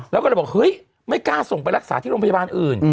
แล้วก็เลยบอกเฮ้ยไม่กล้าส่งไปรักษาที่โรงพยาบาลอื่น